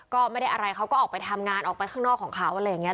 ก็ไม่ได้อะไรเขาก็ออกไปทำงานออกไปข้างนอกของเขาอะไรอย่างนี้